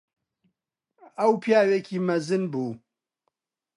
ئەو پیاوێکی مەزن بوو.